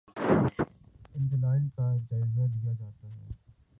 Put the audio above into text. ان دلائل کا جائزہ لیا جاتا ہے۔